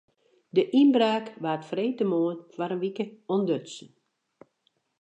De ynbraak waard freedtemoarn foar in wike ûntdutsen.